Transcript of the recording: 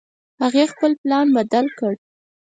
هغې خپل پلان بدل کړ